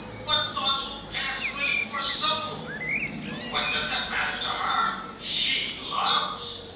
What thoughts will pass through his poor soul! But what does that matter to her! She loves.